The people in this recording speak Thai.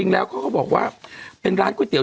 เดี๋ยวก่อนมึงวันพระไม่ได้มีหนเดียว